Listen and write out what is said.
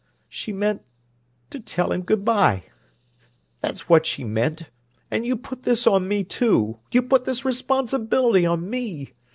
She meant—to tell him good bye! That's what she meant! And you put this on me, too; you put this responsibility on me!